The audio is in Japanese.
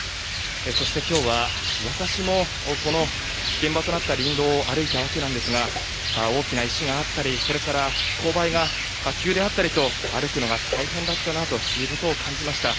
そして今日は私もこの現場となった林道を歩いたわけなんですが大きな石があったりそれから勾配が急であったりと歩くのが大変だったなということを感じました。